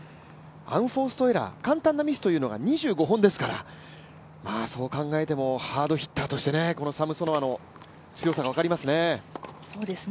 アンフォーストエラー、簡単なミスショットというのがありましたからそう考えてもハードヒッターとしてこのサムソノワの強さが分かりますね。